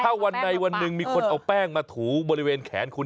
ถ้าวันใดวันหนึ่งมีคนเอาแป้งมาถูบริเวณแขนคุณ